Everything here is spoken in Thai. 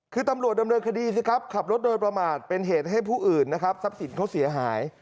คือตำรวจดำเนินคดีสิครับขับรถโดยประมาทเป็นเหตุให้ผู้อื่นนะครับทรัพย์สินเขาเสียหาย